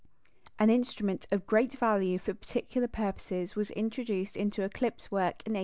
An instrument of great value for particular purposes was introduced into eclipse work in 1871.